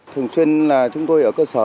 thường xuyên là chúng tôi ở cơ sở